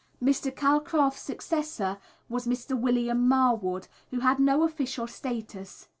Mr. Calcraft's successor was Mr. Wm. Marwood, who had no official status.